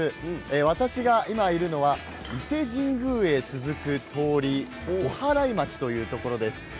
私が今いるのは伊勢神宮に続く通りおはらい町というところです。